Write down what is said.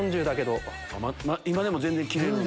今でも全然着れるんや。